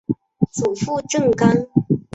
祖父郑刚。